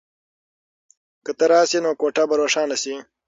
که ته راشې نو کوټه به روښانه شي.